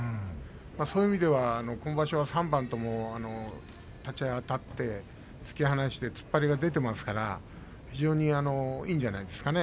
そういう意味では今場所は３番とも立ち合いあたって、突き放して突っ張りが出ていますから非常にいいんじゃないですかね。